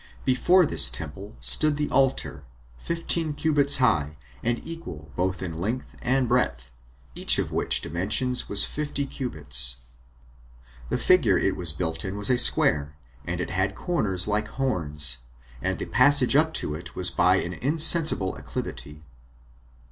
Before this temple stood the altar, fifteen cubits high, and equal both in length and breadth; each of which dimensions was fifty cubits. The figure it was built in was a square, and it had corners like horns; and the passage up to it was by an insensible acclivity.